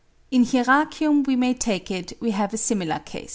In Hieracium we may take it we have a similar case.